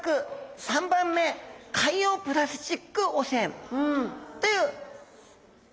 ３番目「海洋プラスチック汚染」という３つです。